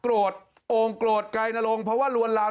โกรธโกรธกลายนรงค์เพราะว่าลวรรรมลูกสาวโอ้ง